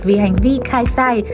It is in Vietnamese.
vì hành vi khai sai